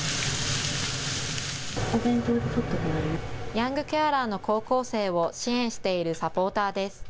ヤングケアラーの高校生を支援しているサポーターです。